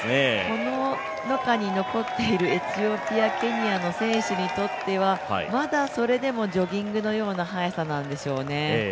この中に残っているエチオピア、ケニアの選手にとっては、まだそれでもジョギングのような速さなんでしょうね。